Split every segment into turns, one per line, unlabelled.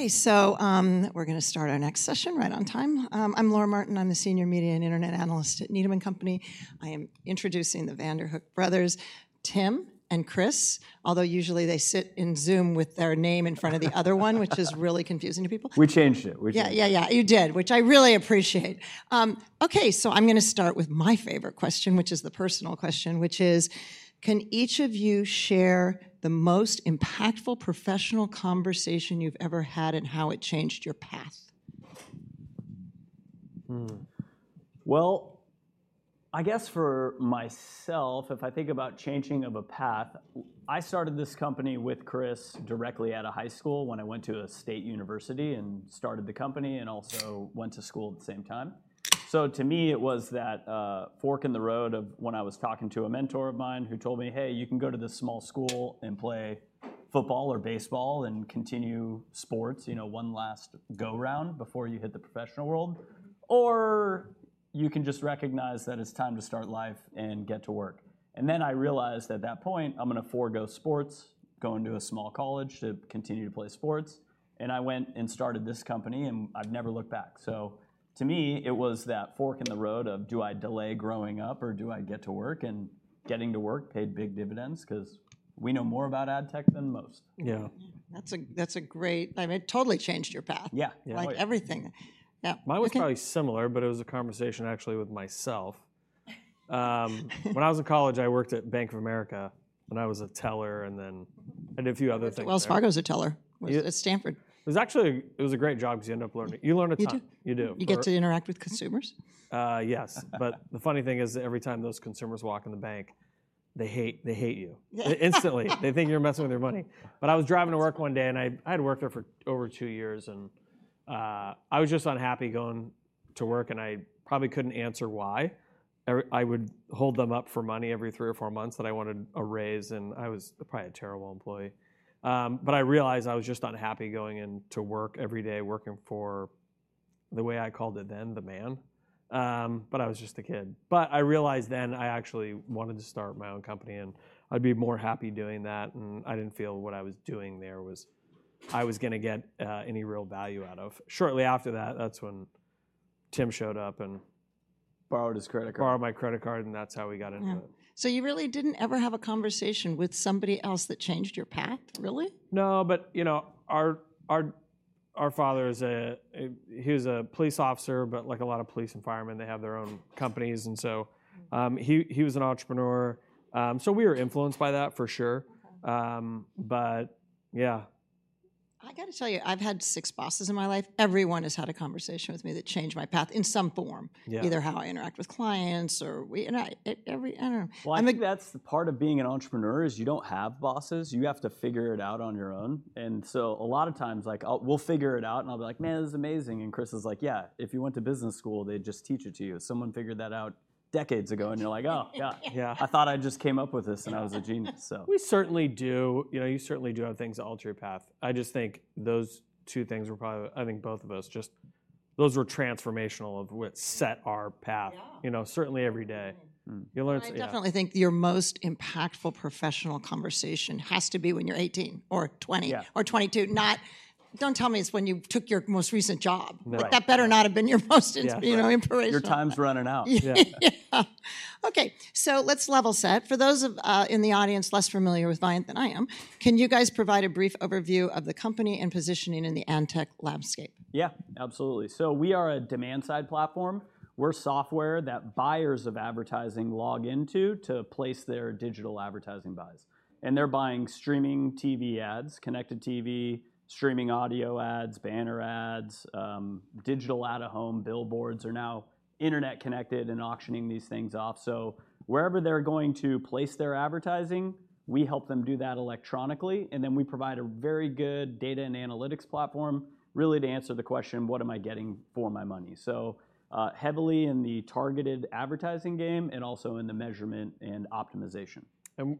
We're going to start our next session right on time. I'm Laura Martin, I'm the Senior Media and Internet Analyst at Needham & Company. I am introducing the Vanderhook Brothers, Tim, and Chris, although usually they sit in Zoom with their name in front of the other one, which is really confusing to people.
We changed it, we changed it.
Yeah, yeah, yeah, you did, which I really appreciate. Okay, so I'm going to start with my favorite question, which is the personal question, which is: Can each of you share the most impactful professional conversation you've ever had and how it changed your path?
Well, I guess for myself, if I think about changing of a path, I started this company with Chris directly out of high school when I went to a state university and started the company and also went to school at the same time. So to me it was that fork in the road of when I was talking to a mentor of mine who told me, "Hey, you can go to this small school and play football or baseball and continue sports, you know, one last go-round before you hit the professional world, or you can just recognize that it's time to start life and get to work." And then I realized at that point I'm going to forego sports, go into a small college to continue to play sports, and I went and started this company and I've never looked back. To me it was that fork in the road of do I delay growing up or do I get to work, and getting to work paid big dividends because we know more about ad tech than most.
Yeah.
That's a great, I mean, it totally changed your path.
Yeah, yeah, yeah.
Like everything.
Mine was probably similar, but it was a conversation actually with myself. When I was in college I worked at Bank of America and I was a teller and then I did a few other things there.
Wells Fargo as teller.
Yeah.
Was at Stanford.
It was actually a great job because you end up learning a ton.
You do?
You do.
You get to interact with consumers?
Yes, but the funny thing is that every time those consumers walk in the bank, they hate, they hate you.
Yeah.
Instantly. They think you're messing with their money. But I was driving to work one day and I had worked there for over 2 years and I was just unhappy going to work and I probably couldn't answer why. I would hold them up for money every 3 or 4 months that I wanted a raise and I was probably a terrible employee. But I realized I was just unhappy going into work every day, working for the way I called it then, the man. But I was just a kid. But I realized then I actually wanted to start my own company and I'd be more happy doing that and I didn't feel what I was doing there was I was going to get any real value out of. Shortly after that, that's when Tim showed up and. Borrowed his credit card.
Borrowed my credit card and that's how we got into it.
Yeah. So you really didn't ever have a conversation with somebody else that changed your path, really?
No, but you know, our father was a police officer, but like a lot of police and firemen, they have their own companies and so, he was an entrepreneur. So we were influenced by that for sure. But yeah.
I got to tell you, I've had six bosses in my life. Everyone has had a conversation with me that changed my path in some form.
Yeah.
Either how I interact with clients, or I don't know.
Well, I think that's the part of being an entrepreneur is you don't have bosses. You have to figure it out on your own. And so a lot of times, like, we'll figure it out and I'll be like, "Man, this is amazing." And Chris is like, "Yeah, if you went to business school, they'd just teach it to you. Someone figured that out decades ago." And you're like, "Oh, God.
Yeah.
I thought I just came up with this and I was a genius, so.
We certainly do, you know, you certainly do have things that alter your path. I just think those two things were probably. I think both of us just. Those were transformational of what set our path.
Yeah.
You know, certainly every day. You learn it, yeah.
I definitely think your most impactful professional conversation has to be when you're 18 or 20 or 22. Not. Don't tell me it's when you took your most recent job.
Right.
That better not have been your most, you know, inspirational.
Your time's running out.
Yeah.
Yeah. Okay, so let's level set. For those in the audience less familiar with Viant than I am, can you guys provide a brief overview of the company and positioning in the ad tech landscape?
Yeah, absolutely. So we are a demand-side platform. We're software that buyers of advertising log into to place their digital advertising buys. And they're buying streaming TV ads, Connected TV, streaming audio ads, banner ads, digital out-of-home billboards are now internet-connected and auctioning these things off. So wherever they're going to place their advertising, we help them do that electronically. And then we provide a very good data and analytics platform really to answer the question, "What am I getting for my money?" So, heavily in the targeted advertising game and also in the measurement and optimization.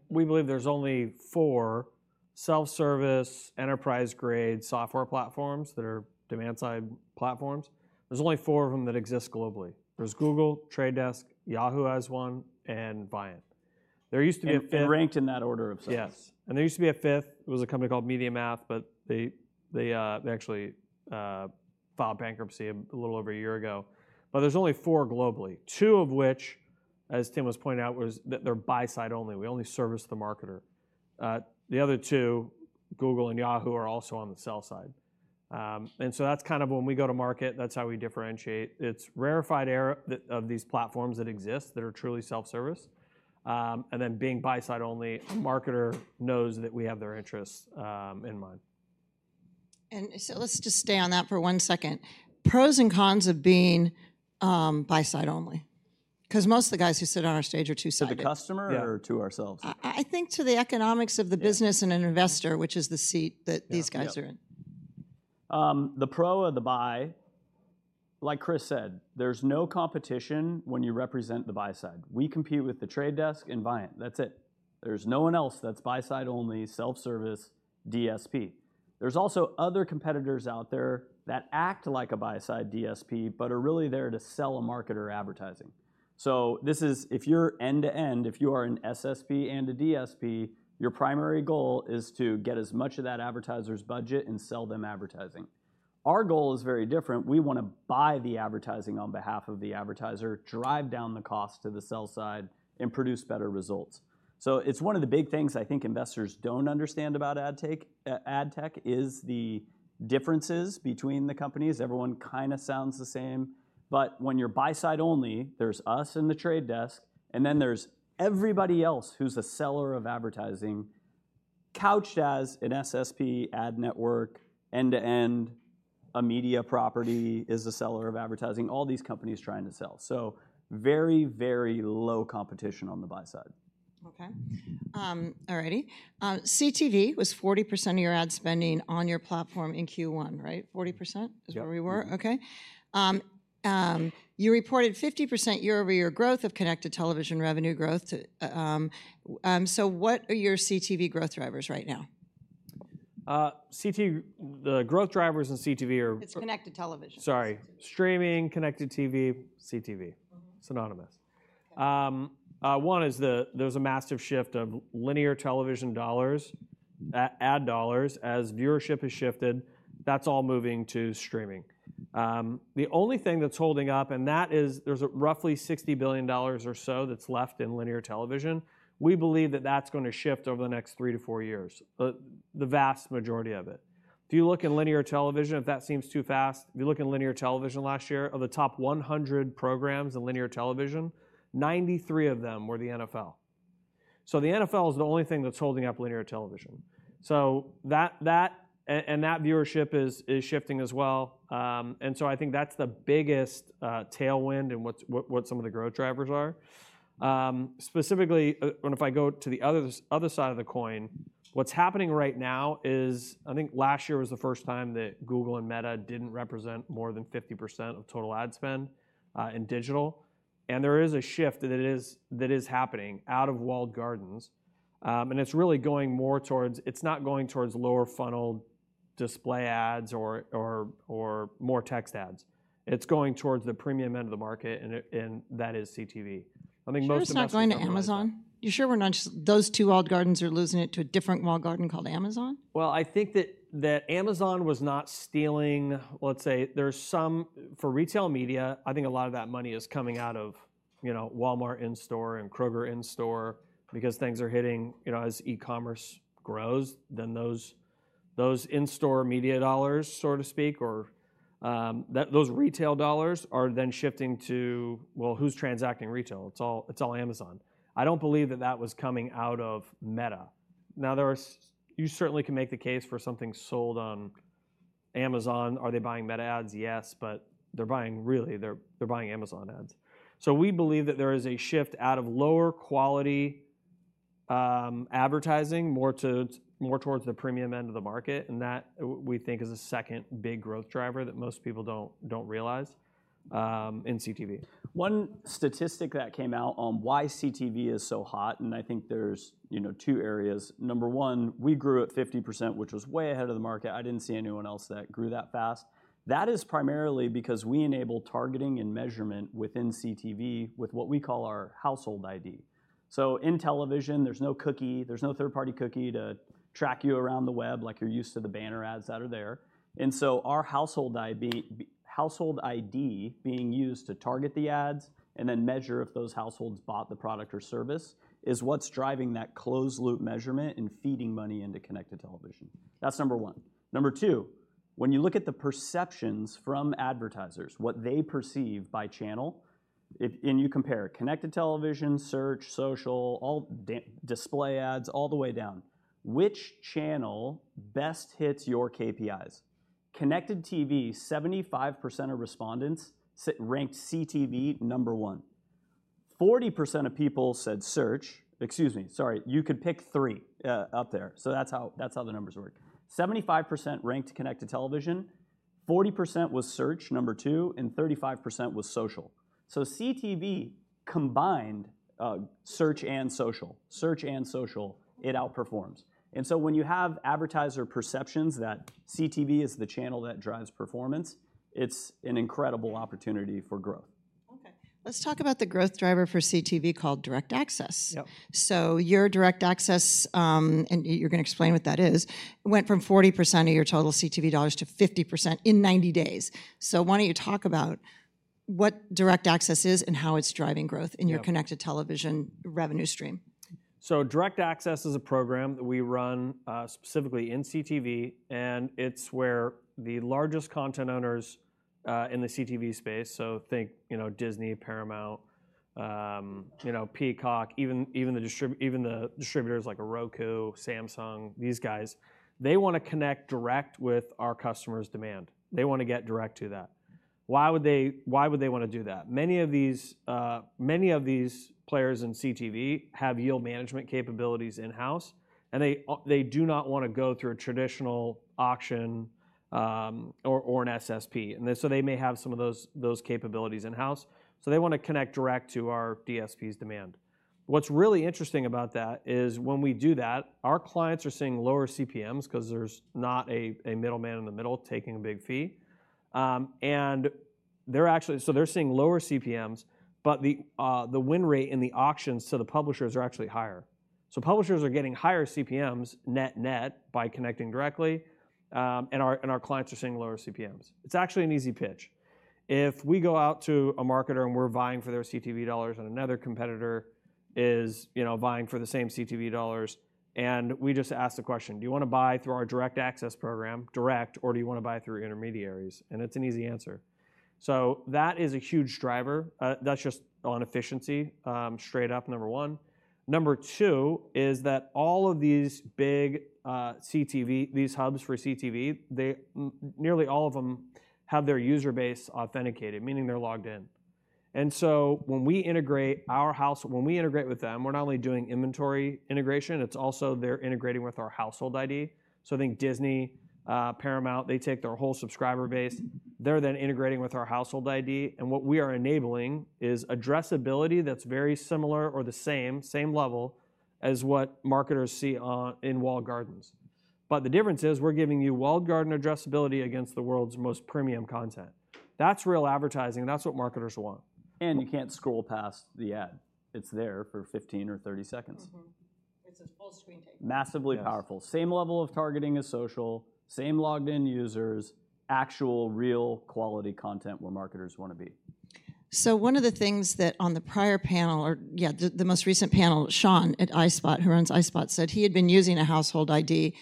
We believe there's only four self-service, enterprise-grade software platforms that are demand-side platforms. There's only four of them that exist globally. There's Google, Trade Desk, Yahoo has one, and Viant. There used to be a fifth.
Ranked in that order of size.
Yes. And there used to be a fifth. It was a company called MediaMath, but they actually filed bankruptcy a little over a year ago. But there's only four globally, two of which, as Tim was pointing out, were that they're buy-side only. We only service the marketer. The other two, Google and Yahoo, are also on the sell side. And so that's kind of when we go to market, that's how we differentiate. It's rarefied air of these platforms that exist that are truly self-service. And then being buy-side only, the marketer knows that we have their interests in mind.
Let's just stay on that for one second. Pros and cons of being buy-side only? Because most of the guys who sit on our stage are two-sided.
To the customer or to ourselves?
I think to the economics of the business and an investor, which is the seat that these guys are in.
Yeah. The pro of the buy, like Chris said, there's no competition when you represent the buy side. We compete with The Trade Desk and Viant. That's it. There's no one else that's buy-side only, self-service, DSP. There's also other competitors out there that act like a buy-side DSP, but are really there to sell a marketer advertising. So this is, if you're end-to-end, if you are an SSP and a DSP, your primary goal is to get as much of that advertiser's budget and sell them advertising. Our goal is very different. We want to buy the advertising on behalf of the advertiser, drive down the cost to the sell side, and produce better results. So it's one of the big things I think investors don't understand about ad tech is the differences between the companies. Everyone kind of sounds the same. But when you're buy-side only, there's us and The Trade Desk, and then there's everybody else who's a seller of advertising, couched as an SSP, ad network, end-to-end, a media property is a seller of advertising, all these companies trying to sell. So very, very low competition on the buy side.
Okay. All righty. CTV was 40% of your ad spending on your platform in Q1, right? 40% is where we were?
Yeah.
Okay. You reported 50% year-over-year growth of connected television revenue growth. What are your CTV growth drivers right now?
CTV, the growth drivers in CTV are.
It's connected television.
Sorry. Streaming, connected TV, CTV. It's synonymous. One is the, there's a massive shift of linear television dollars, ad dollars, as viewership has shifted, that's all moving to streaming. The only thing that's holding up, and that is, there's roughly $60 billion or so that's left in linear television, we believe that that's going to shift over the next 3-4 years, the vast majority of it. If you look in linear television, if that seems too fast, if you look in linear television last year, of the top 100 programs in linear television, 93 of them were the NFL. So the NFL is the only thing that's holding up linear television. So that, that, and that viewership is shifting as well. And so I think that's the biggest tailwind in what some of the growth drivers are. Specifically, if I go to the other side of the coin, what's happening right now is, I think last year was the first time that Google and Meta didn't represent more than 50% of total ad spend in digital. And there is a shift that is happening out of walled gardens. And it's really going more towards, it's not going towards lower funnel display ads or more text ads. It's going towards the premium end of the market, and that is CTV. I think most of us.
You're just not going to Amazon? You're sure we're not just, those two walled gardens are losing it to a different walled garden called Amazon?
Well, I think that Amazon was not stealing, let's say. There's some for retail media. I think a lot of that money is coming out of, you know, Walmart in-store and Kroger in-store because things are hitting, you know, as e-commerce grows, then those in-store media dollars, so to speak, or those retail dollars are then shifting to, well, who's transacting retail? It's all Amazon. I don't believe that was coming out of Meta. Now there are. You certainly can make the case for something sold on Amazon. Are they buying Meta ads? Yes, but they're buying, really, they're buying Amazon ads. So we believe that there is a shift out of lower quality advertising, more towards the premium end of the market. And that we think is a second big growth driver that most people don't realize in CTV. One statistic that came out on why CTV is so hot, and I think there's, you know, two areas. Number one, we grew at 50%, which was way ahead of the market. I didn't see anyone else that grew that fast. That is primarily because we enable targeting and measurement within CTV with what we call Household ID. so in television, there's no cookie, there's no third-party cookie to track you around the web like you're used to the banner ads that are there. And so Household ID being used to target the ads and then measure if those households bought the product or service is what's driving that closed-loop measurement and feeding money into connected television. That's number one. Number two, when you look at the perceptions from advertisers, what they perceive by channel, and you compare connected television, search, social, all display ads, all the way down, which channel best hits your KPIs? Connected TV, 75% of respondents ranked CTV number one. 40% of people said search. Excuse me. Sorry. You could pick three, up there. So that's how, that's how the numbers work. 75% ranked connected television, 40% was search number two, and 35% was social. So CTV combined, search and social, search and social, it outperforms. And so when you have advertiser perceptions that CTV is the channel that drives performance, it's an incredible opportunity for growth.
Okay. Let's talk about the growth driver for CTV called direct access.
Yep.
So your Direct Access, and you're going to explain what that is, went from 40% of your total CTV dollars to 50% in 90 days. So why don't you talk about what Direct Access is and how it's driving growth in your connected television revenue stream?
So Direct Access is a program that we run, specifically in CTV, and it's where the largest content owners, in the CTV space, so think, you know, Disney, Paramount, you know, Peacock, even, even the distributors like Roku, Samsung, these guys, they want to connect direct with our customer's demand. They want to get direct to that. Why would they, why would they want to do that? Many of these, many of these players in CTV have yield management capabilities in-house, and they, they do not want to go through a traditional auction, or, or an SSP. And so they may have some of those, those capabilities in-house. So they want to connect direct to our DSP's demand. What's really interesting about that is when we do that, our clients are seeing lower CPMs because there's not a middleman in the middle taking a big fee. They're actually seeing lower CPMs, but the win rate in the auctions to the publishers is actually higher. So publishers are getting higher CPMs net-net by connecting directly. Our clients are seeing lower CPMs. It's actually an easy pitch. If we go out to a marketer and we're vying for their CTV dollars and another competitor is, you know, vying for the same CTV dollars, and we just ask the question, do you want to buy through our Direct Access program, direct, or do you want to buy through intermediaries? And it's an easy answer. So that is a huge driver. That's just on efficiency, straight up, number one. Number two is that all of these big CTV, these hubs for CTV, they nearly all of them have their user base authenticated, meaning they're logged in. When we integrate our house, when we integrate with them, we're not only doing inventory integration, it's also they're integrating with Household ID. so I think Disney, Paramount, they take their whole subscriber base. They're then integrating with Household ID. and what we are enabling is addressability that's very similar or the same, same level as what marketers see on, in walled gardens. But the difference is we're giving you walled garden addressability against the world's most premium content. That's real advertising. That's what marketers want.
You can't scroll past the ad. It's there for 15 or 30 seconds.
It's a full screen take.
Massively powerful. Same level of targeting as social, same logged-in users, actual, real quality content where marketers want to be.
One of the things that on the prior panel, or yeah, the most recent panel, Sean at iSpot, who runs iSpot, said he had been using Household ID,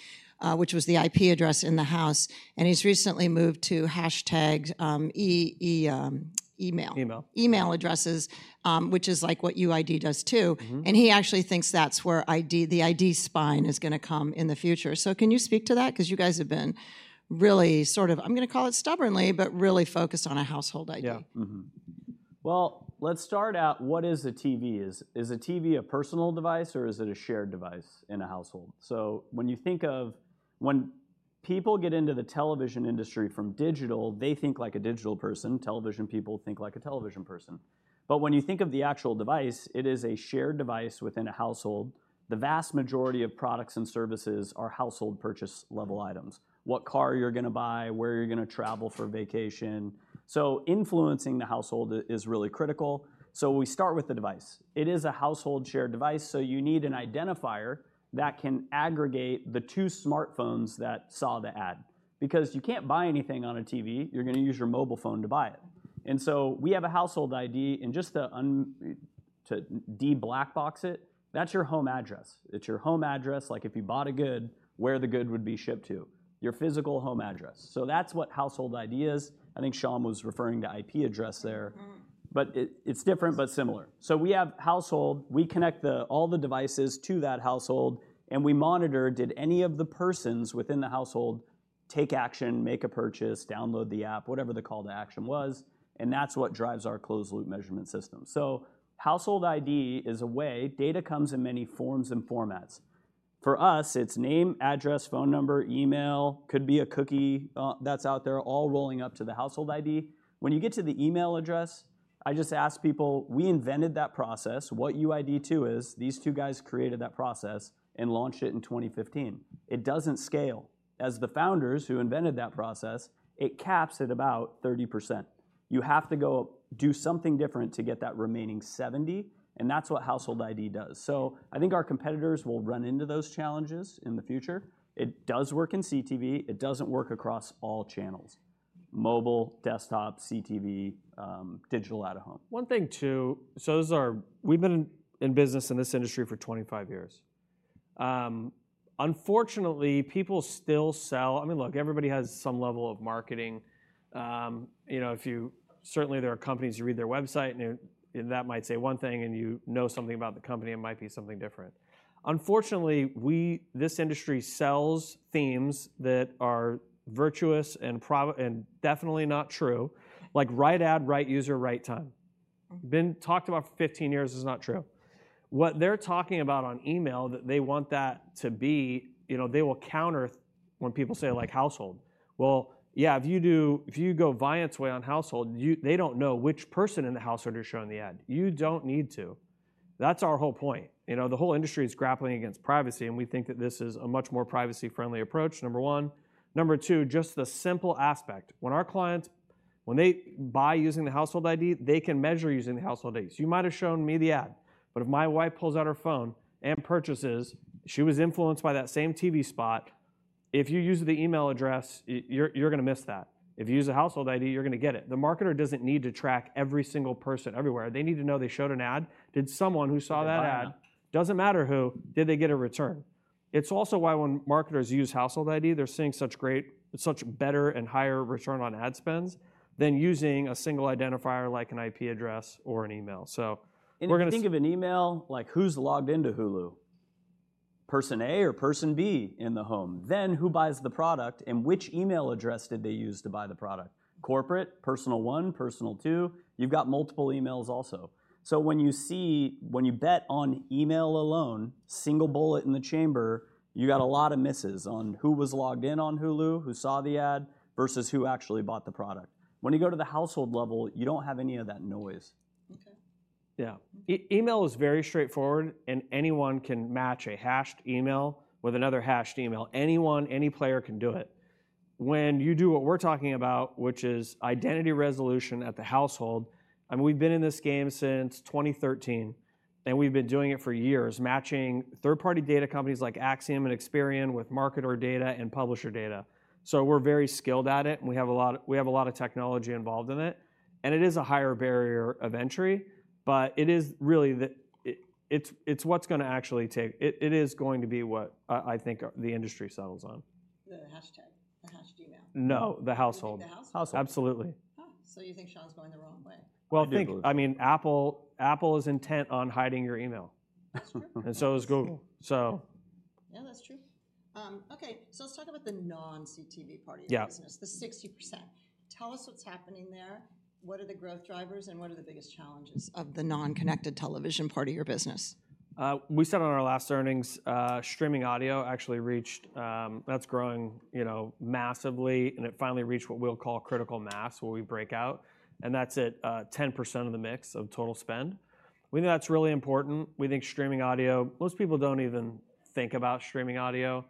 which was the IP address in the house, and he's recently moved to hashed email.
Email.
Email addresses, which is like what UID does too. And he actually thinks that's where ID, the ID spine is going to come in the future. So can you speak to that? Because you guys have been really sort of, I'm going to call it stubbornly, but really focused on a Household ID.
Yeah. Well, let's start out. What is a TV? Is a TV a personal device or is it a shared device in a household? So when you think of, when people get into the television industry from digital, they think like a digital person. Television people think like a television person. But when you think of the actual device, it is a shared device within a household. The vast majority of products and services are household purchase level items. What car you're going to buy, where you're going to travel for vacation. So influencing the household is really critical. So we start with the device. It is a household shared device. So you need an identifier that can aggregate the two smartphones that saw the ad. Because you can't buy anything on a TV. You're going to use your mobile phone to buy it. And so we have Household ID. and just to de-blackbox it, that's your home address. It's your home address, like if you bought a good, where the good would be shipped to, your physical home address. So that's Household ID is. I think Sean was referring to IP address there. But it's different, but similar. So have Household ID, we connect all the devices to that household, and we monitor, did any of the persons within the household take action, make a purchase, download the app, whatever the call to action was. And that's what drives our closed-loop measurement system. Household ID is a way, data comes in many forms and formats. For us, it's name, address, phone number, email, could be a cookie that's out there, all rolling up to the Household ID. When you get to the email address, I just ask people, we invented that process. What UID2 is, these two guys created that process and launched it in 2015. It doesn't scale. As the founders who invented that process, it caps at about 30%. You have to go up, do something different to get that remaining 70%. And that's Household ID does. So I think our competitors will run into those challenges in the future. It does work in CTV. It doesn't work across all channels: mobile, desktop, CTV, digital out-of-home. One thing too. So those are, we've been in business in this industry for 25 years. Unfortunately, people still sell. I mean, look, everybody has some level of marketing. You know, if you certainly there are companies you read their website and that might say one thing and you know something about the company, it might be something different. Unfortunately, we, this industry sells themes that are virtuous and profit and definitely not true. Like right ad, right user, right time. Been talked about for 15 years. It's not true. What they're talking about on email, that they want that to be, you know, they will counter when people say like household. Well, yeah, if you do, if you go Viant's way on household, they don't know which person in the household you're showing the ad. You don't need to. That's our whole point. You know, the whole industry is grappling against privacy, and we think that this is a much more privacy-friendly approach, number one. Number two, just the simple aspect. When our clients, when they buy using Household ID, they can measure using Household ID. so you might have shown me the ad, but if my wife pulls out her phone and purchases, she was influenced by that same TV spot. If you use the email address, you're going to miss that. If you use Household ID, you're going to get it. The marketer doesn't need to track every single person everywhere. They need to know they showed an ad. Did someone who saw that ad, doesn't matter who, did they get a return? It's also why when marketers Household ID, they're seeing such great, such better and higher return on ad spends than using a single identifier like an IP address or an email. So we're going to.
And if you think of an email, like who's logged into Hulu, person A or person B in the home, then who buys the product and which email address did they use to buy the product? Corporate, personal one, personal two. You've got multiple emails also. So when you see, when you bet on email alone, single bullet in the chamber, you got a lot of misses on who was logged in on Hulu, who saw the ad versus who actually bought the product. When you go to the household level, you don't have any of that noise.
Okay.
Yeah. Email is very straightforward, and anyone can match a hashed email with another hashed email. Anyone, any player can do it. When you do what we're talking about, which is identity resolution at the household, I mean, we've been in this game since 2013, and we've been doing it for years, matching third-party data companies like Acxiom and Experian with marketer data and publisher data. So we're very skilled at it, and we have a lot of, we have a lot of technology involved in it. And it is a higher barrier of entry, but it is really the, it's, it's what's going to actually take, it is going to be what I think the industry settles on.
The hashtag, the hashed email.
No, the household.
The household.
Absolutely.
So you think Sean's going the wrong way?
Well, I mean, Apple, Apple is intent on hiding your email.
That's true.
And so is Google. So.
Yeah, that's true. Okay. Let's talk about the non-CTV part of your business, the 60%. Tell us what's happening there. What are the growth drivers and what are the biggest challenges of the non-connected television part of your business?
We said on our last earnings, streaming audio actually reached, that's growing, you know, massively, and it finally reached what we'll call critical mass where we break out. And that's at 10% of the mix of total spend. We think that's really important. We think streaming audio, most people don't even think about streaming audio.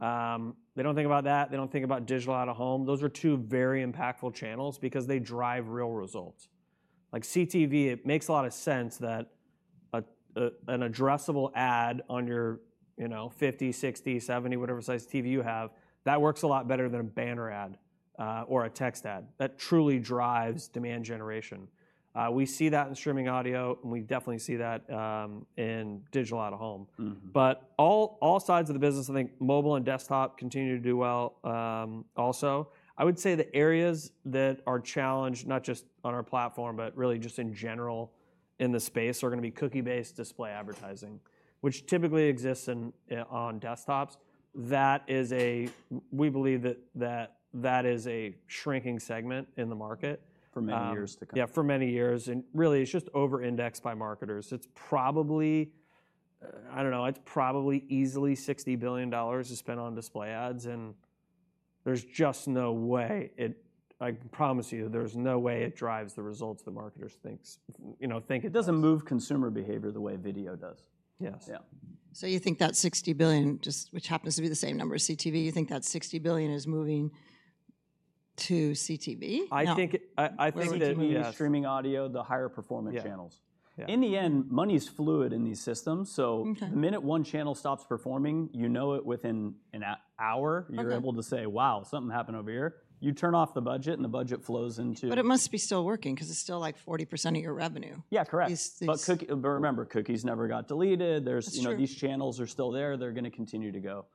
They don't think about that. They don't think about digital out-of-home. Those are two very impactful channels because they drive real results. Like CTV, it makes a lot of sense that an addressable ad on your, you know, 50, 60, 70, whatever size TV you have, that works a lot better than a banner ad, or a text ad that truly drives demand generation. We see that in streaming audio, and we definitely see that in digital out-of-home. But all sides of the business, I think mobile and desktop continue to do well. Also, I would say the areas that are challenged, not just on our platform, but really just in general in the space are going to be cookie-based display advertising, which typically exists on desktops. That is a shrinking segment in the market, we believe.
For many years to come.
Yeah, for many years. And really, it's just over-indexed by marketers. It's probably, I don't know, it's probably easily $60 billion to spend on display ads. And there's just no way it, I promise you, there's no way it drives the results that marketers think, you know, think it does.
It doesn't move consumer behavior the way video does.
Yes.
Yeah.
So you think that $60 billion just, which happens to be the same number as CTV, you think that $60 billion is moving to CTV?
I think that streaming audio, the higher performance channels. In the end, money's fluid in these systems. So the minute one channel stops performing, you know it within an hour, you're able to say, wow, something happened over here. You turn off the budget and the budget flows into.
But it must be still working because it's still like 40% of your revenue.
Yeah, correct. But remember, cookies never got deleted. There's, you know, these channels are still there. They're going to continue to go.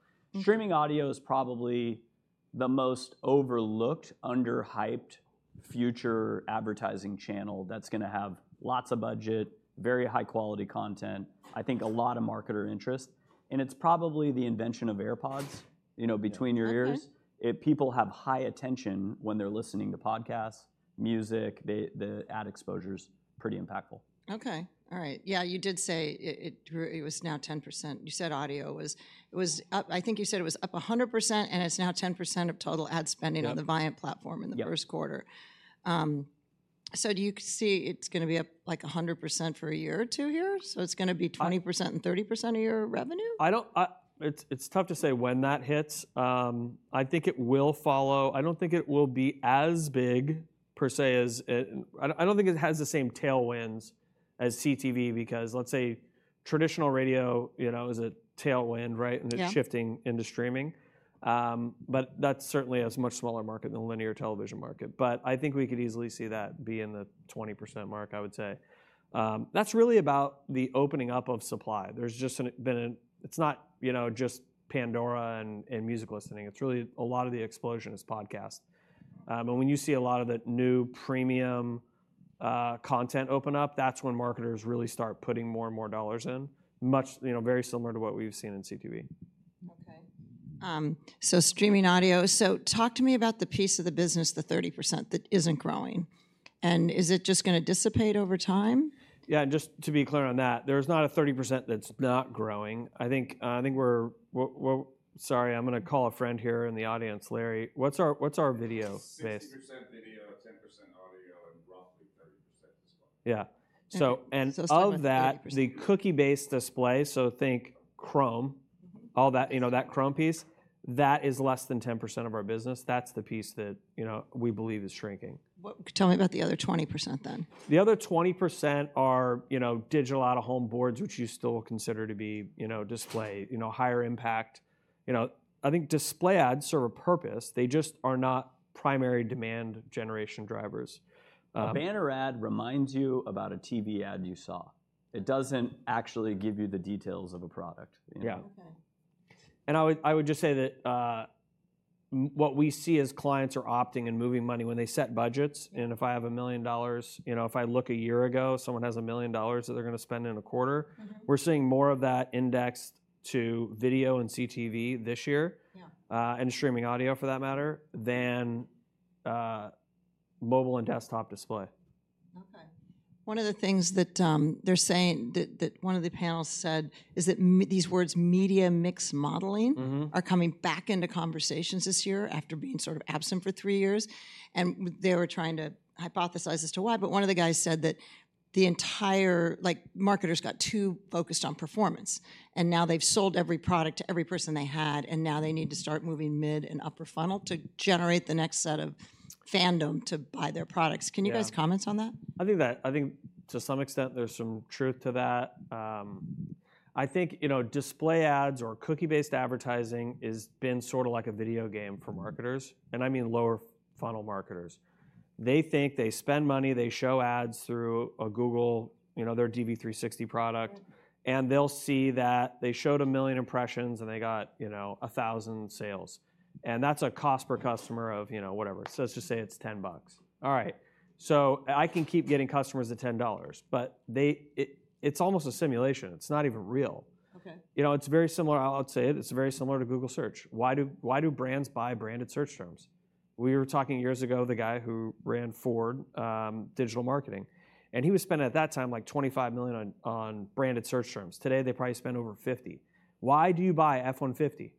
Streaming audio is probably the most overlooked, underhyped future advertising channel that's going to have lots of budget, very high quality content. I think a lot of marketer interest. And it's probably the invention of AirPods, you know, between your ears. People have high attention when they're listening to podcasts, music. The ad exposure is pretty impactful.
Okay. All right. Yeah. You did say it was now 10%. You said audio was, it was, I think you said it was up 100% and it's now 10% of total ad spending on the Viant platform in the first quarter. So do you see it's going to be up like 100% for a year or two here? So it's going to be 20% and 30% of your revenue?
I don't, it's tough to say when that hits. I think it will follow. I don't think it will be as big per se as, I don't think it has the same tailwinds as CTV because let's say traditional radio, you know, is a tailwind, right? And it's shifting into streaming. But that's certainly a much smaller market than the linear television market. But I think we could easily see that be in the 20% mark, I would say. That's really about the opening up of supply. There's just been an, it's not, you know, just Pandora and music listening. It's really a lot of the explosion is podcasts. And when you see a lot of the new premium content open up, that's when marketers really start putting more and more dollars in, much, you know, very similar to what we've seen in CTV.
Okay, so streaming audio. So talk to me about the piece of the business, the 30% that isn't growing. And is it just going to dissipate over time?
Yeah. And just to be clear on that, there's not a 30% that's not growing. I think we're, sorry, I'm going to call a friend here in the audience, Larry. What's our video base?
60% video, 10% audio, and roughly 30% display.
Yeah. So, and of that, the cookie-based display, so think Chrome, all that, you know, that Chrome piece, that is less than 10% of our business. That's the piece that, you know, we believe is shrinking.
Tell me about the other 20% then?
The other 20% are, you know, digital out-of-home boards, which you still will consider to be, you know, display, you know, higher impact. You know, I think display ads serve a purpose. They just are not primary demand generation drivers.
A banner ad reminds you about a TV ad you saw. It doesn't actually give you the details of a product.
Yeah. I would just say that what we see is clients are opting and moving money when they set budgets. And if I have $1 million, you know, if I look a year ago, someone has $1 million that they're going to spend in a quarter, we're seeing more of that indexed to video and CTV this year, and streaming audio for that matter, than mobile and desktop display.
Okay. One of the things that they're saying that one of the panels said is that these words media mix modeling are coming back into conversations this year after being sort of absent for three years. They were trying to hypothesize as to why. But one of the guys said that the entire, like marketers got too focused on performance and now they've sold every product to every person they had. Now they need to start moving mid and upper funnel to generate the next set of fandom to buy their products. Can you guys comment on that?
I think that, I think to some extent, there's some truth to that. I think, you know, display ads or cookie-based advertising has been sort of like a video game for marketers. And I mean lower funnel marketers. They think they spend money, they show ads through a Google, you know, their DV360 product, and they'll see that they showed 1 million impressions and they got, you know, 1,000 sales. And that's a cost per customer of, you know, whatever. So let's just say it's $10. All right. So I can keep getting customers at $10, but they, it's almost a simulation. It's not even real. You know, it's very similar. I'll say it. It's very similar to Google Search. Why do, why do brands buy branded search terms? We were talking years ago, the guy who ran Ford, digital marketing, and he was spending at that time like $25 million on branded search terms. Today they probably spend over $50 million. Why do you buy F-150?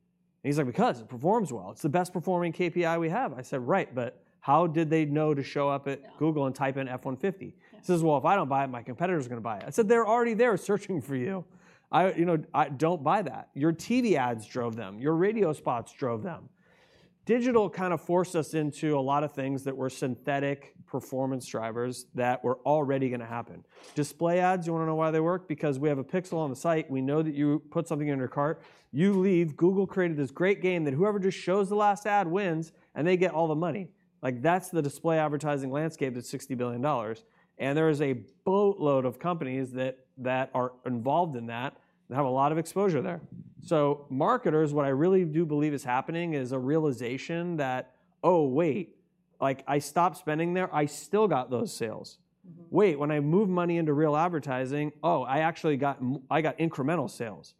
And he's like, because it performs well. It's the best performing KPI we have. I said, right, but how did they know to show up at Google and type in F-150? He says, well, if I don't buy it, my competitor's going to buy it. I said, they're already there searching for you. I, you know, I don't buy that. Your TV ads drove them. Your radio spots drove them. Digital kind of forced us into a lot of things that were synthetic performance drivers that were already going to happen. Display ads, you want to know why they work? Because we have a pixel on the site. We know that you put something in your cart. You leave, Google created this great game that whoever just shows the last ad wins and they get all the money. Like that's the display advertising landscape that's $60 billion. And there is a boatload of companies that are involved in that that have a lot of exposure there. So marketers, what I really do believe is happening is a realization that, oh, wait, like I stopped spending there, I still got those sales. Wait, when I move money into real advertising, oh, I actually got, I got incremental sales.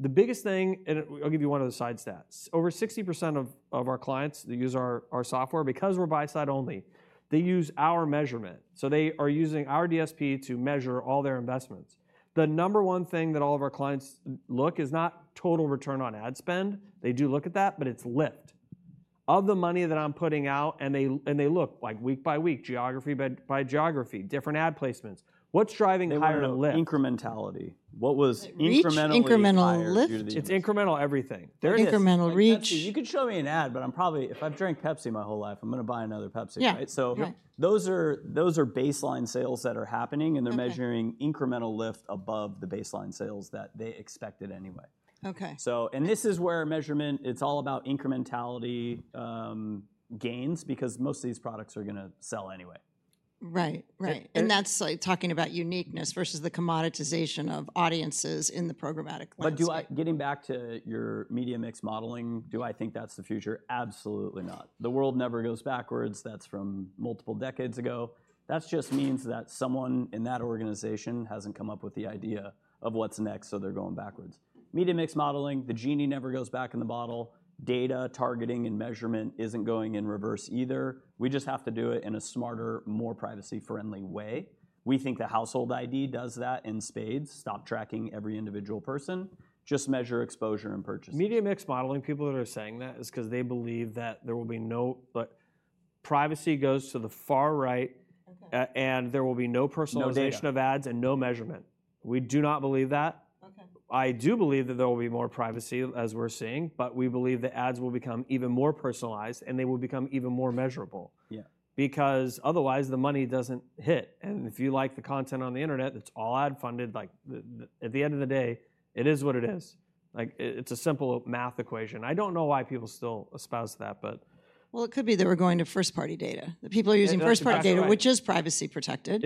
The biggest thing, and I'll give you one of the side stats, over 60% of our clients that use our software, because we're buy-side only, they use our measurement. So they are using our DSP to measure all their investments. The number one thing that all of our clients look is not total return on ad spend. They do look at that, but it's lift of the money that I'm putting out. They, they look like week by week, geography by geography, different ad placements. What's driving higher lift?
Incrementality. What was incremental reach?
Incremental lift. It's incremental everything.
Incremental reach.
You could show me an ad, but I'm probably, if I've drank Pepsi my whole life, I'm going to buy another Pepsi, right? So those are, those are baseline sales that are happening and they're measuring incremental lift above the baseline sales that they expected anyway.
Okay.
This is where measurement, it's all about incrementality gains because most of these products are going to sell anyway.
Right. Right. And that's like talking about uniqueness versus the commoditization of audiences in the programmatic lens.
But do I, getting back to your media mix modeling, do I think that's the future? Absolutely not. The world never goes backwards. That's from multiple decades ago. That just means that someone in that organization hasn't come up with the idea of what's next. So they're going backwards. Media mix modeling, the genie never goes back in the bottle. Data targeting and measurement isn't going in reverse either. We just have to do it in a smarter, more privacy-friendly way. We think Household ID does that in spades. Stop tracking every individual person. Just measure exposure and purchase.
Media Mix Modeling, people that are saying that is because they believe that there will be no, but privacy goes to the far right and there will be no personalization of ads and no measurement. We do not believe that. I do believe that there will be more privacy as we're seeing, but we believe that ads will become even more personalized and they will become even more measurable. Yeah, because otherwise the money doesn't hit. And if you like the content on the internet, it's all ad funded. Like at the end of the day, it is what it is. Like it's a simple math equation. I don't know why people still espouse that, but.
Well, it could be they were going to first-party data. The people are using first-party data, which is privacy protected.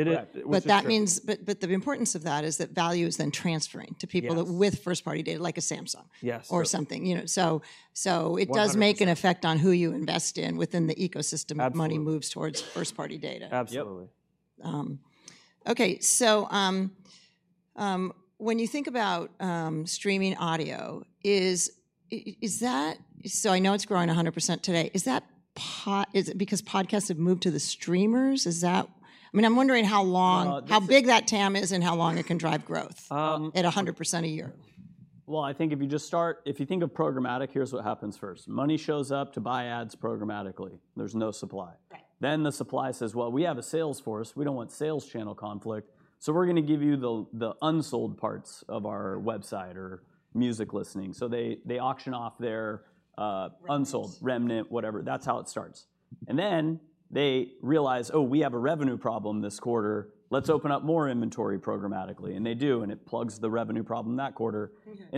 But that means, but the importance of that is that value is then transferring to people that with first-party data, like a Samsung or something, you know? So, so it does make an effect on who you invest in within the ecosystem of money moves towards first-party data.
Absolutely.
Okay. So, when you think about streaming audio, is that, so I know it's growing 100% today. Is that, is it because podcasts have moved to the streamers? Is that, I mean, I'm wondering how long, how big that TAM is and how long it can drive growth at 100% a year.
Well, I think if you just start, if you think of programmatic, here's what happens first. Money shows up to buy ads programmatically. There's no supply. Then the supply says, well, we have a sales force. We don't want sales channel conflict. So we're going to give you the unsold parts of our website or music listening. So they auction off their unsold remnant, whatever. That's how it starts. Then they realize, oh, we have a revenue problem this quarter. Let's open up more inventory programmatically. And they do. It plugs the revenue problem that quarter.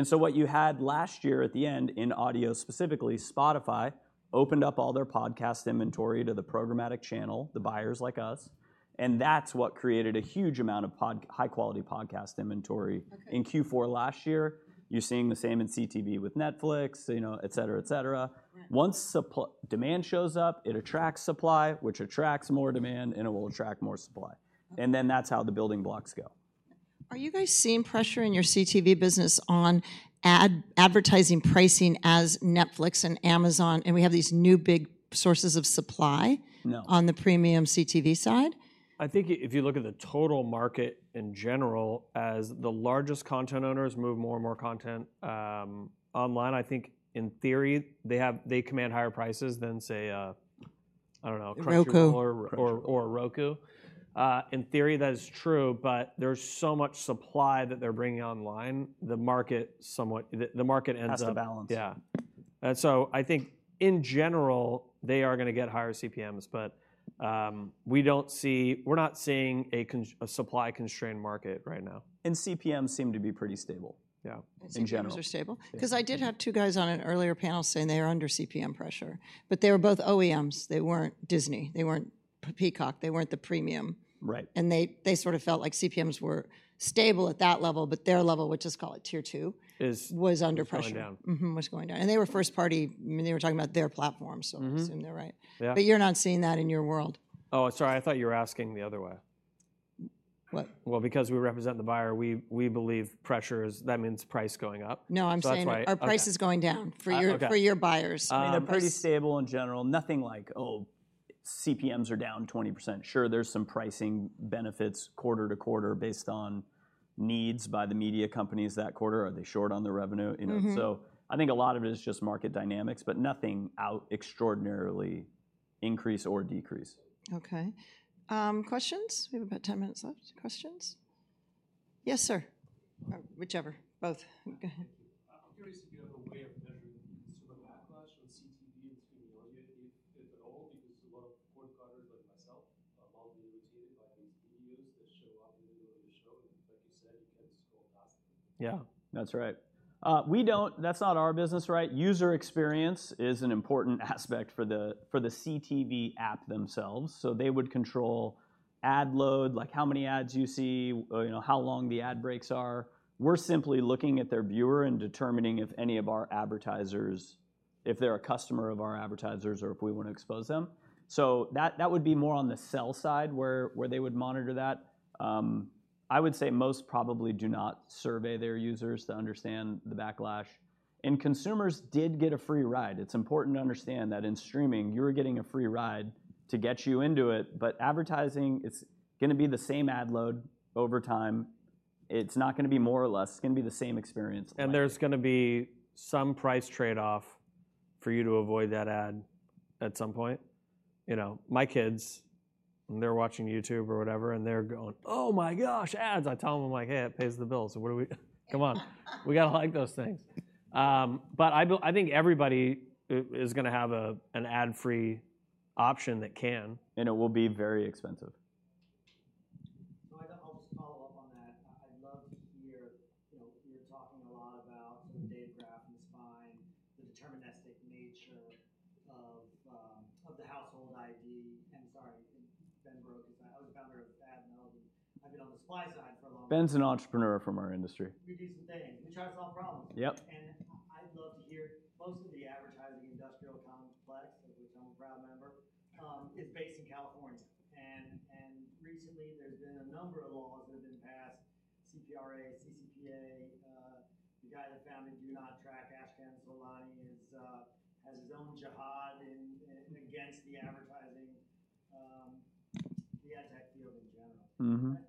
So what you had last year at the end in audio specifically, Spotify opened up all their podcast inventory to the programmatic channel, the buyers like us. That's what created a huge amount of high-quality podcast inventory in Q4 last year. You're seeing the same in CTV with Netflix, you know, et cetera, et cetera. Once demand shows up, it attracts supply, which attracts more demand and it will attract more supply. And then that's how the building blocks go.
Are you guys seeing pressure in your CTV business on advertising pricing as Netflix and Amazon? We have these new big sources of supply on the premium CTV side.
I think if you look at the total market in general as the largest content owners move more and more content online, I think in theory they have, they command higher prices than, say, I don't know, Crunchyroll or Roku. In theory that is true, but there's so much supply that they're bringing online, the market somewhat, the market ends up.
Has to balance.
Yeah. And so I think in general they are going to get higher CPMs, but we don't see, we're not seeing a supply-constrained market right now.
CPMs seem to be pretty stable.
Yeah.
CPMs are stable. Because I did have two guys on an earlier panel saying they were under CPM pressure, but they were both OEMs. They weren't Disney. They weren't Peacock. They weren't the premium. And they sort of felt like CPMs were stable at that level, but their level, we'll just call it tier two, was under pressure.
Was going down.
Mm-hmm. Was going down. And they were first-party. I mean, they were talking about their platform. So I assume they're right. But you're not seeing that in your world.
Oh, sorry. I thought you were asking the other way.
What?
Well, because we represent the buyer, we believe pressure is, that means price going up.
No, I'm saying our price is going down for your buyers.
I mean, they're pretty stable in general. Nothing like, oh, CPMs are down 20%. Sure, there's some pricing benefits quarter to quarter based on needs by the media companies that quarter. Are they short on the revenue? You know, so I think a lot of it is just market dynamics, but nothing out of the ordinary increase or decrease.
Okay. Questions? We have about 10 minutes left. Questions? Yes, sir. Whichever. Both.
I'm curious if you have a way of measuring consumer backlash on CTV and streaming audio, if at all, because a lot of cord cutters like myself are mildly irritated by these videos that show up when they go to the show. And like you said, you can't scroll past them.
Yeah. That's right. We don't, that's not our business, right? User experience is an important aspect for the CTV app themselves. So they would control ad load, like how many ads you see, you know, how long the ad breaks are. We're simply looking at their viewer and determining if any of our advertisers, if they're a customer of our advertisers or if we want to expose them. So that would be more on the sell side where they would monitor that. I would say most probably do not survey their users to understand the backlash. And consumers did get a free ride. It's important to understand that in streaming you were getting a free ride to get you into it, but advertising, it's going to be the same ad load over time. It's not going to be more or less. It's going to be the same experience.
There's going to be some price trade-off for you to avoid that ad at some point. You know, my kids, they're watching YouTube or whatever, and they're going, oh my gosh, ads. I tell them I'm like, hey, it pays the bills. So what do we, come on. We got to like those things. But I think everybody is going to have an ad-free option that can.
It will be very expensive.
So I'll just follow up on that. I'd love to hear, you know, you're talking a lot about sort of data graphing is fine, the deterministic nature of Household ID. and sorry, Ben Barokas, because I was founder of Admeld and I've been on the supply side for a long time.
Ben's an entrepreneur from our industry.
We do some things. We try to solve problems.
Yep.
I'd love to hear, most of the advertising industrial complex, of which I'm a proud member, is based in California. Recently there's been a number of laws that have been passed, CPRA, CCPA, the guy that founded Do Not Track, Ashkan Soltani, has his own jihad against the advertising, the ad tech field in general. I'd love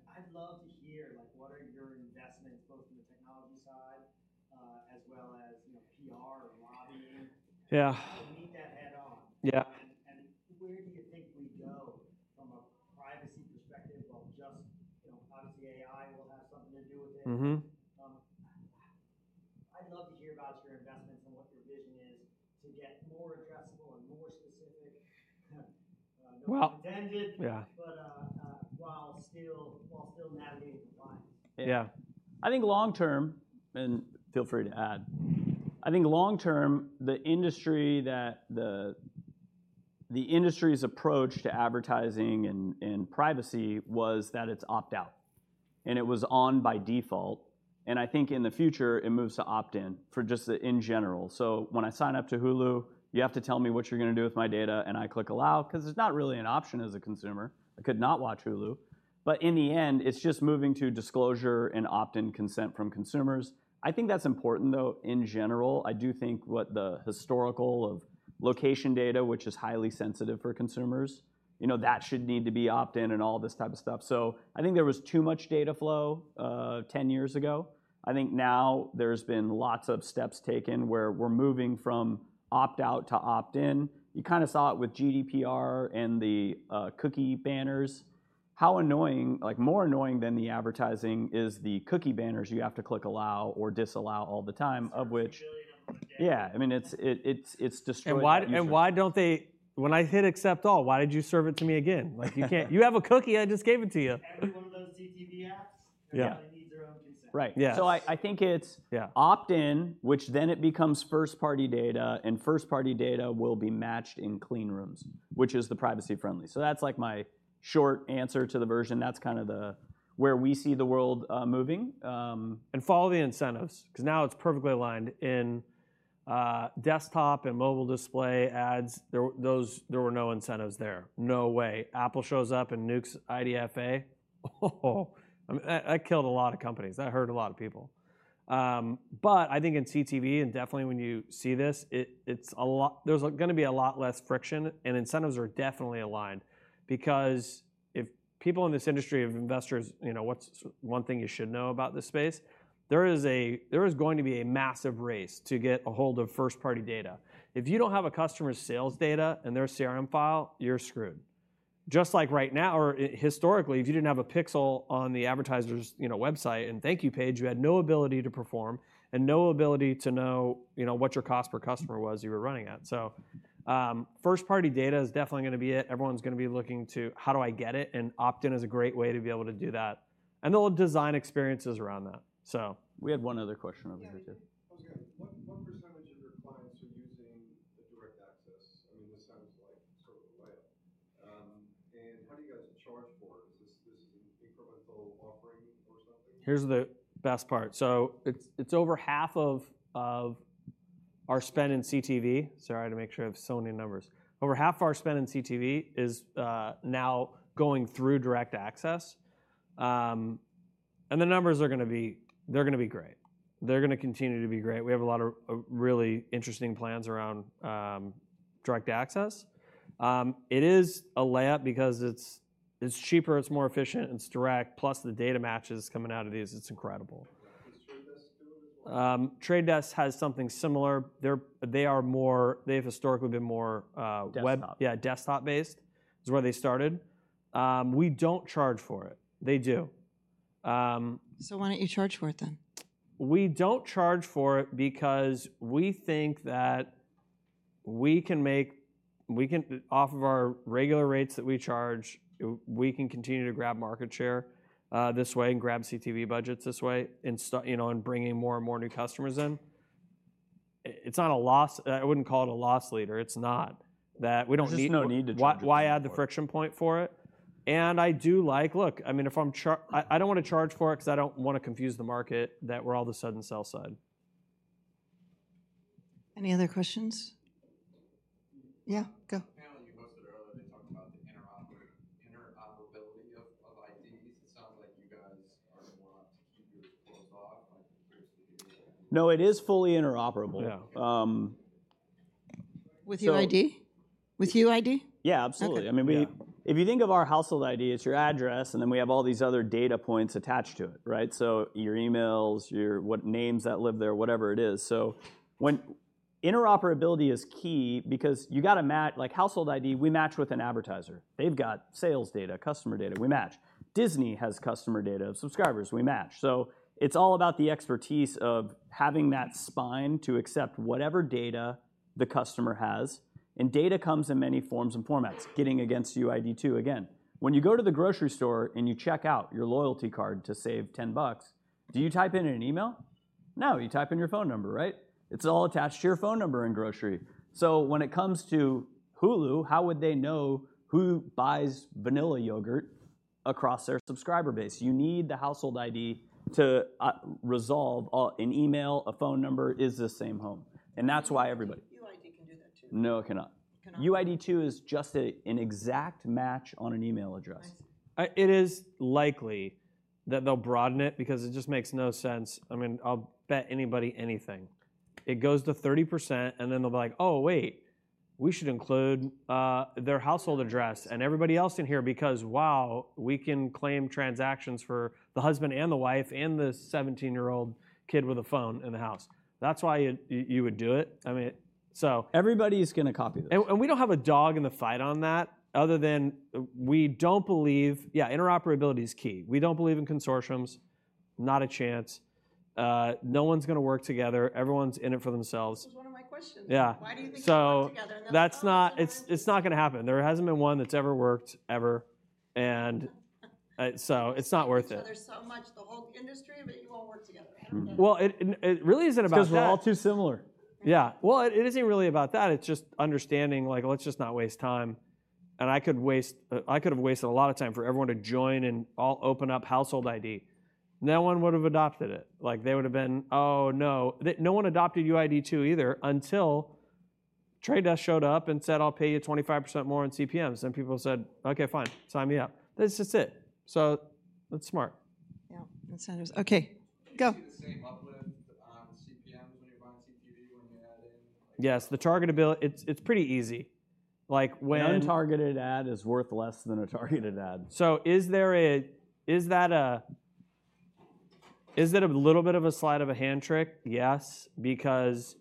to hear, like what are your investments, both in the technology side as well as, you know, PR or lobbying?
Yeah.
Meet that head-on.
Yeah.
Where do you think we go from a privacy perspective while just, you know, obviously AI will have something to do with it? I'd love to hear about your investments and what your vision is to get more addressable and more specific. No pun intended, but while still navigating compliance.
Yeah. I think long-term, and feel free to add. I think long-term the industry's approach to advertising and privacy was that it's opt-out and it was on by default. I think in the future it moves to opt-in for just the in general. So when I sign up to Hulu, you have to tell me what you're going to do with my data and I click allow because it's not really an option as a consumer. I could not watch Hulu. But in the end, it's just moving to disclosure and opt-in consent from consumers. I think that's important though in general. I do think what the historical of location data, which is highly sensitive for consumers, you know, that should need to be opt-in and all this type of stuff. So I think there was too much data flow 10 years ago. I think now there's been lots of steps taken where we're moving from opt-out to opt-in. You kind of saw it with GDPR and the cookie banners. How annoying, like more annoying than the advertising is the cookie banners you have to click allow or disallow all the time, of which, yeah, I mean, it's destroyed.
Why don't they, when I hit accept all, why did you serve it to me again? Like you can't, you have a cookie. I just gave it to you. Every one of those CTV apps, everybody needs their own consent.
Right. Yeah. So I think it's opt-in, which then it becomes first-party data and first-party data will be matched in clean rooms, which is the privacy-friendly. So that's like my short answer to the version. That's kind of the, where we see the world moving.
Follow the incentives because now it's perfectly aligned in desktop and mobile display ads. There were no incentives there. No way. Apple shows up and nukes IDFA. Oh, that killed a lot of companies. That hurt a lot of people. But I think in CTV and definitely when you see this, it's a lot, there's going to be a lot less friction and incentives are definitely aligned because if people in this industry of investors, you know, what's one thing you should know about this space, there is going to be a massive race to get ahold of first-party data. If you don't have a customer's sales data and their CRM file, you're screwed. Just like right now or historically, if you didn't have a pixel on the advertiser's, you know, website and thank you page, you had no ability to perform and no ability to know, you know, what your cost per customer was you were running at. So first-party data is definitely going to be it. Everyone's going to be looking to, how do I get it? And opt-in is a great way to be able to do that. And they'll design experiences around that. So.
We had one other question over here too.
1% of your clients are using the Direct Access. I mean, this sounds like sort of a layup. How do you guys charge for it? Is this an incremental offering or something?
Here's the best part. So it's over half of our spend in CTV. Sorry, I had to make sure I have so many numbers. Over half of our spend in CTV is now going through Direct Access. And the numbers are going to be, they're going to be great. They're going to continue to be great. We have a lot of really interesting plans around Direct Access. It is a layup because it's cheaper, it's more efficient, it's direct, plus the data matches coming out of these, it's incredible.
The Trade Desk do it as well?
Desk has something similar. They are more, they've historically been more web.
Desktop.
Yeah, desktop-based is where they started. We don't charge for it. They do.
Why don't you charge for it then?
We don't charge for it because we think that we can make off of our regular rates that we charge, we can continue to grab market share this way and grab CTV budgets this way and, you know, and bringing more and more new customers in. It's not a loss. I wouldn't call it a loss leader. It's not. That we don't need.
There's just no need to charge.
Why add the friction point for it? I do like, look, I mean, if I'm charged, I don't want to charge for it because I don't want to confuse the market that we're all of a sudden sell-side.
Any other questions? Yeah, go.
You posted earlier, they talked about the interoperability of IDs. It sounds like you guys are more up to keep yours closed off. I'm curious to hear.
No, it is fully interoperable. Yeah.
With your ID? With your ID?
Yeah, absolutely. I mean, if you think of Household ID, it's your address and then we have all these other data points attached to it, right? So your emails, your, what names that live there, whatever it is. So when interoperability is key because you got to match, Household ID, we match with an advertiser. They've got sales data, customer data, we match. Disney has customer data of subscribers, we match. So it's all about the expertise of having that spine to accept whatever data the customer has. And data comes in many forms and formats. Getting against UID2 again. When you go to the grocery store and you check out your loyalty card to save $10, do you type in an email? No, you type in your phone number, right? It's all attached to your phone number in grocery. So when it comes to Hulu, how would they know who buys vanilla yogurt across their subscriber base? You need Household ID to resolve an email, a phone number is the same home. That's why everybody.
UID can do that too.
No, it cannot. UID2 is just an exact match on an email address. It is likely that they'll broaden it because it just makes no sense. I mean, I'll bet anybody anything. It goes to 30% and then they'll be like, oh wait, we should include their household address and everybody else in here because wow, we can claim transactions for the husband and the wife and the 17-year-old kid with a phone in the house. That's why you would do it. I mean, so.
Everybody's going to copy this.
We don't have a dog in the fight on that other than we don't believe, yeah, interoperability is key. We don't believe in consortiums. Not a chance. No one's going to work together. Everyone's in it for themselves.
That was one of my questions.
Yeah.
Why do you think they work together?
So that's not, it's not going to happen. There hasn't been one that's ever worked, ever. And so it's not worth it.
There's so much, the whole industry, but you won't work together. I don't get it.
Well, it really isn't about that.
Because we're all too similar.
Yeah. Well, it isn't really about that. It's just understanding, like let's just not waste time. And I could waste, I could have wasted a lot of time for everyone to join and all open Household ID. no one would have adopted it. Like they would have been, oh no, no one adopted UID2 either until The Trade Desk showed up and said, I'll pay you 25% more in CPMs. Then people said, okay, fine. Sign me up. That's just it. So that's smart.
Yeah. Incentives. Okay. Go.
Do you see the same uplift on CPMs when you're buying CTV when you add in?
Yes. The targetability, it's pretty easy. Like when.
An untargeted ad is worth less than a targeted ad.
Is it a little bit of a sleight-of-hand trick? Yes. Because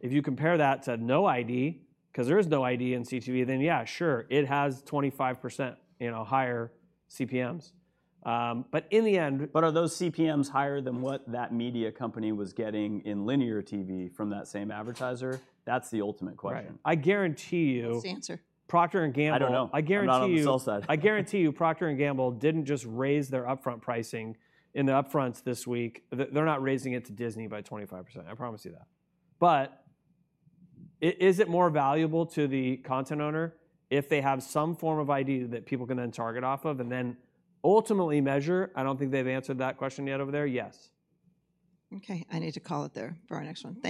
if you compare that to no ID, because there is no ID in CTV, then yeah, sure. It has 25%, you know, higher CPMs. But in the end.
But are those CPMs higher than what that media company was getting in linear TV from that same advertiser? That's the ultimate question.
I guarantee you.
It's the answer.
Procter & Gamble.
I don't know.
I guarantee you.
Not on the sell side.
I guarantee you Procter & Gamble didn't just raise their upfront pricing in the upfronts this week. They're not raising it to Disney by 25%. I promise you that. But is it more valuable to the content owner if they have some form of ID that people can then target off of and then ultimately measure? I don't think they've answered that question yet over there. Yes.
Okay. I need to call it there for our next one.